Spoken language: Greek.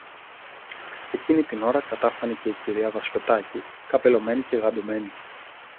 Εκείνη την ώρα κατάφθανε και η κυρία Βασιωτάκη, καπελωμένη και γαντωμένη